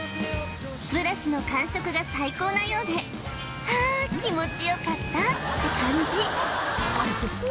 ブラシの感触が最高なようで「ああ気持ちよかった」って感じ